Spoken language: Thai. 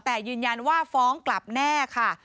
แต่ยืนยันว่าฟ้องกลับแน่ค่ะ